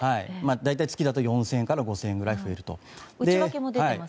大体月だと４０００円から５０００円くらい増えると。